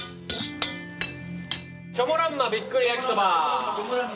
チョモランマびっくり焼きそば。